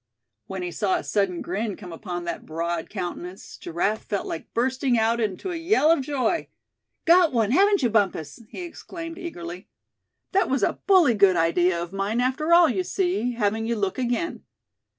When he saw a sudden grin come upon that broad countenance Giraffe felt like bursting out into a yell of joy. "Got one, haven't you Bumpus?" he exclaimed, eagerly. "That was a bully good idea of mine after all, you see, having you look again.